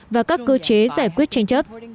và các cơ chế giải quyết tranh chấp